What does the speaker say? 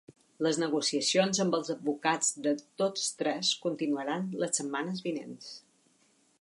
Les negociacions amb els advocats de tots tres continuaran les setmanes vinents.